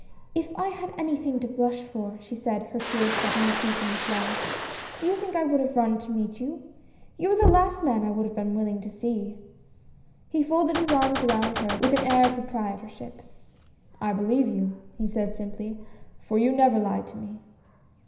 If I had anything to blush for," she said, her tears suddenly ceasing to flow, " do you think I would have run to meet you ? You are the last man I would have been willing to see." ^ He folded his arms around her with an air of pro prietorship. "I believe you," he said, simply, "for you never lied to me